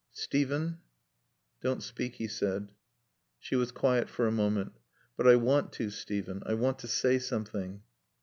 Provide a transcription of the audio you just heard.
"Steven " "Don't speak," he said. She was quiet for a moment. "But I want to, Steven. I want to say something."